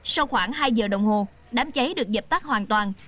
sau khoảng hai giờ đồng hồ đám cháy được dập tắt hoàn toàn